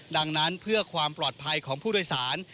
ดังนั้นเพื่อความปลอดภัยของผู้โดยสาร